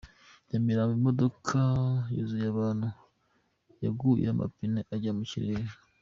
Nyamirambo Imodoka yuzuye abantu yaguye amapine ajya mu kirere